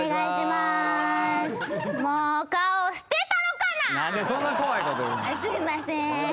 すみません。